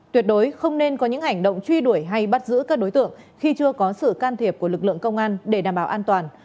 tuyệt đối không nên có những hành động truy đuổi hay bắt giữ các đối tượng khi chưa có sự can thiệp của lực lượng công an để đảm bảo an toàn